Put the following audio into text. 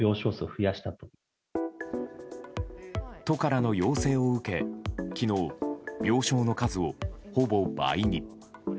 都からの要請を受け昨日、病床の数をほぼ倍に。